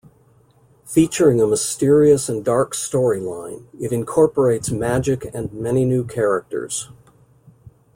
Featuring a mysterious and dark storyline, it incorporates magic and many new characters.